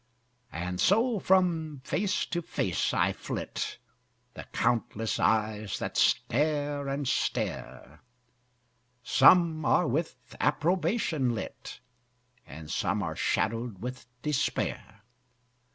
And so from face to face I flit, The countless eyes that stare and stare; Some are with approbation lit, And some are shadowed with despair.